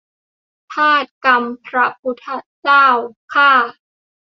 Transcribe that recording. ทาส-กรรม พระ-พุทธ-เจ้า-ข้า